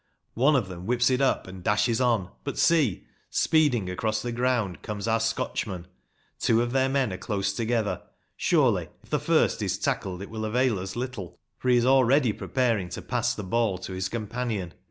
One of them whips it up and dashes on. But, see, speeding across the ground comes our Scotchman ; two of their men are close together. Surely, if the first is tackled, it will avail us little, for he is already preparing to pass the ball to his companion.